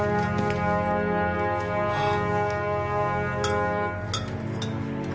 ああ。